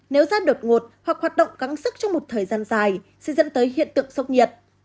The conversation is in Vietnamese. nếu ra đột ngột hoặc hoạt động cắn sức trong một thời gian dài sẽ dẫn tới hiện tượng sốc nhiệt